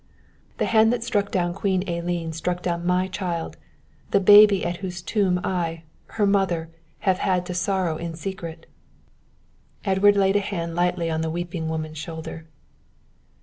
The hand that struck down Queen Elene struck down my child the baby at whose tomb I, her mother, have to sorrow in secret " Edward laid a hand lightly on the weeping woman's shoulder.